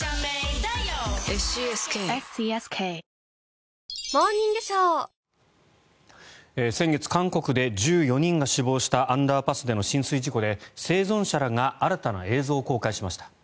いいじゃないだって先月、韓国で１４人が死亡したアンダーパスでの浸水事故で生存者らが新たな映像を公開しました。